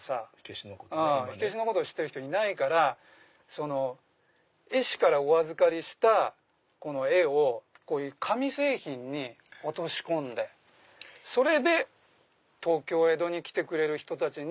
知ってる人いないから絵師からお預かりした絵を紙製品に落とし込んでそれで東京江戸に来てくれる人たちに。